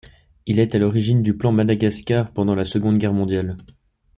Il est à l'origine du Plan Madagascar pendant la seconde guerre mondiale.